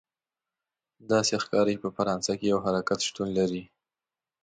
داسې ښکاري چې په فرانسه کې یو حرکت شتون لري.